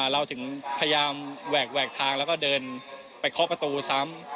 เราถึงพยายามแหวกทางแล้วก็เดินไปเคาะประตูซ้ำ